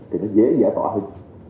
thì nó dễ giả tỏa